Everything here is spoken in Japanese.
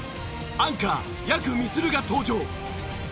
アンカーやくみつるが登場。